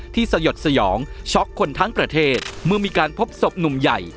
สยดสยองช็อกคนทั้งประเทศเมื่อมีการพบศพหนุ่มใหญ่